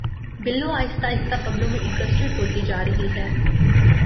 بلو آہستہ آہستہ ببلو میں انٹرسٹیڈ ہوتی جا رہی ہے